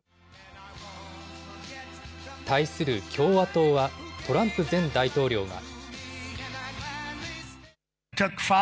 対する共和党はトランプ前大統領が。